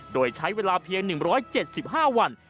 โดยใช้เวลาเพียง๑๗๕วัน